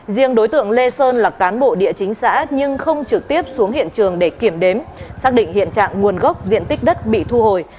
riêng đối tượng lê sơn là cán bộ địa chính xã nhưng không trực tiếp xuống hiện trường để kiểm đếm xác định hiện trạng nguồn gốc diện tích đất bị thu hồi